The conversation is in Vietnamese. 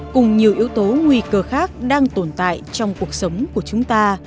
cùng nhiều yếu tố nguy cơ khác đang tồn tại trong cuộc sống của chúng ta